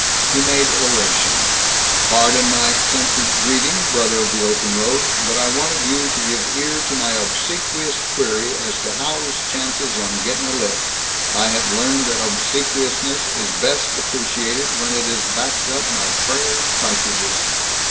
He made oration: "Pardon my eccentric greeting, brother of the open road, but I wanted you to give ear to my obsequious query as to how's chances on gettin' a lift? I have learned that obsequiousness is best appreciated when it is backed up by prayer and ca'tridges."